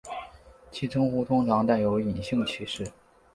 其称呼通常带有隐性歧视。